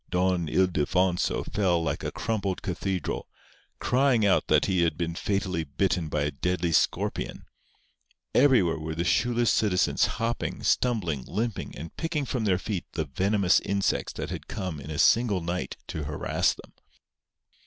Don Ildefonso fell like a crumpled cathedral, crying out that he had been fatally bitten by a deadly scorpion. Everywhere were the shoeless citizens hopping, stumbling, limping, and picking from their feet the venomous insects that had come in a single night to harass them.